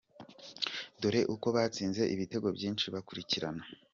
Dore uko abatsinze ibitego byinshi bakurikirana:.